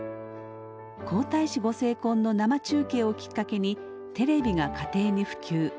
皇太子ご成婚の生中継をきっかけにテレビが家庭に普及。